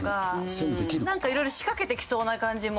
なんかいろいろ仕掛けてきそうな感じも。